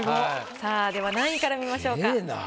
では何位から見ましょうか？